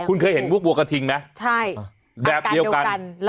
คุณเคยเห็นมุกวัวกระทิงไหมแบบเดียวกันใช่อาการเดียวกัน